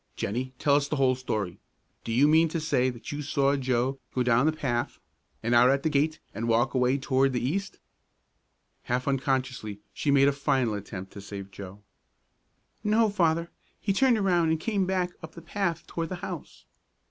"Jennie, tell us the whole story. Do you mean to say that you saw Joe go down the path and out at the gate, and walk away toward the east?" Half unconsciously she made a final attempt to save Joe. "No, Father, he turned around and came back up the path toward the house."